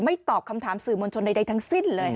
ไม่ตอบคำถามสื่อมนตร์ชนใดทั้งสิ้นเลยค่ะ